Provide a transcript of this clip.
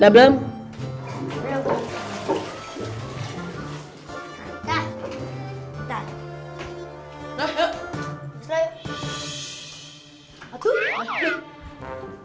mampet memang suka kayak gini